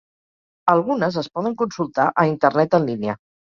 Algunes es poden consultar a internet en línia.